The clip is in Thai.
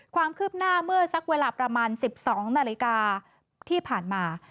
ความคืบหน้าเมื่อสักเวลาประมาณ๑๒นาฬิกาที่ผ่านมา